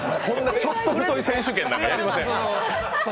ちょっと太い選手権なんかやりません。